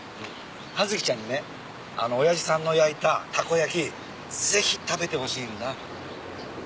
葉月ちゃんにね親父さんの焼いたたこ焼きぜひ食べてほしいんだ。